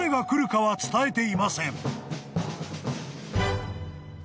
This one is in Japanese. はい。